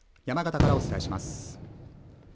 山形からお伝えします。